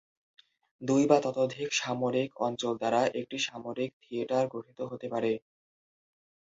দুই বা ততোধিক সামরিক অঞ্চল দ্বারা একটি সামরিক থিয়েটার গঠিত হতে পারে।